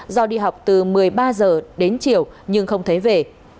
do đi học từ một mươi ba h đến chiều nhưng không thấy về